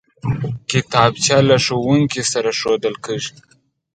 کتابچه له ښوونکي سره ښودل کېږي